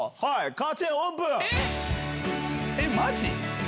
カーテンオープン！